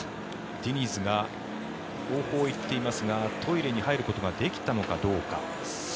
ディニズが後方を行っていますがトイレに入ることができたのかどうか。